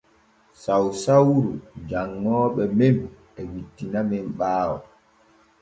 Sausauru janŋooɓe men e wittinamen ɓaawo.